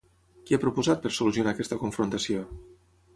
Què ha proposat per solucionar aquesta confrontació?